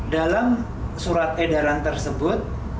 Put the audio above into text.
dalam surat edaran tersebut